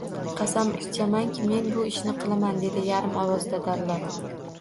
Qasam ichamanki, men bu ishni qilaman, dedi yarim ovozda dallol